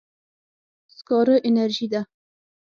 سکاره انرژي ده.